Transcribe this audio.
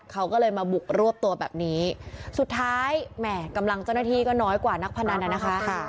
เขาก็เลยมาบุกรวบตัวแบบนี้สุดท้ายแหม่กำลังเจ้าหน้าที่ก็น้อยกว่านักพนันน่ะนะคะ